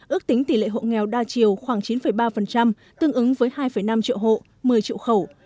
ước tính tỷ lệ hộ nghèo đa chiều khoảng chín ba tương ứng với hai năm triệu hộ một mươi triệu khẩu